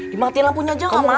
dimatiin lampunya aja nggak mau nek